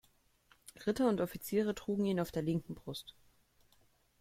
Ritter und Offiziere trugen ihn auf der linken Brust.